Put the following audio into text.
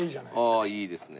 ああいいですね。